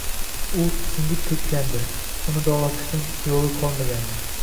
U singib ketgandi, uni davolatishni yoʻli qolmagandi.